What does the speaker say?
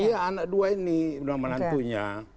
iya anak dua ini menantunya